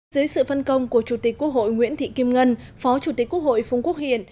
dưới sự phân công của chủ tịch quốc hội nguyễn thị kim ngân phó chủ tịch quốc hội phung quốc hiện